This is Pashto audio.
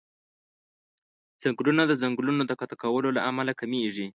ځنګلونه د ځنګلونو د قطع کولو له امله کميږي.